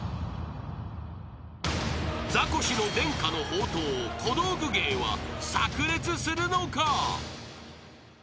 ［ザコシの伝家の宝刀小道具芸は炸裂するのか？］